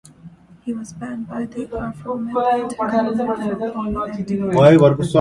He was banned by the apartheid government from public activity.